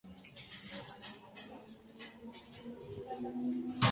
El anfitrión puede seguir un complicado procedimiento para transferir sus paquetes hacia la red.